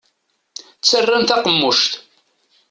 Ttarran taqemmuct.